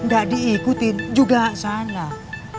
gak diikutin juga salah